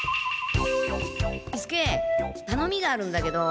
伊助たのみがあるんだけど。